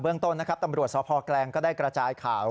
ต้นนะครับตำรวจสพแกลงก็ได้กระจายข่าว